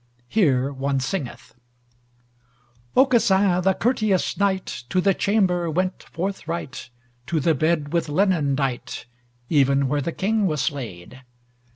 Here one singeth: Aucassin the courteous knight To the chamber went forthright, To the bed with linen dight Even where the King was laid.